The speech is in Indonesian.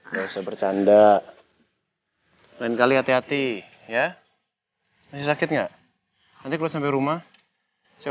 nggak usah bercanda lain kali hati hati ya masih sakit nggak nanti kalau sampai rumah saya